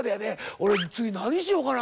「俺次何しようかな」